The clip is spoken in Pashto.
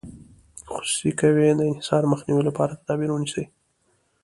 که خصوصي کوي د انحصار مخنیوي لپاره تدابیر ونیسي.